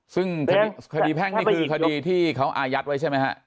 ซึ่งคดีแพ่งนี่คือคดีที่เขาอายัดไว้ใช่ไหมฮะ